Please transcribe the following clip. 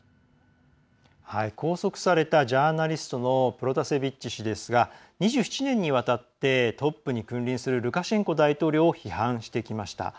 拘束されたジャーナリストのプロタセビッチ氏ですが２７年にわたってトップに君臨するルカシェンコ大統領を批判してきました。